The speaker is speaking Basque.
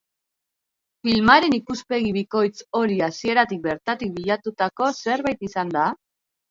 Filmaren ikuspegi bikoitz hori hasieratik bertatik bilatutako zerbait izan da?